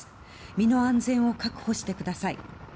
身の安全を確保してください。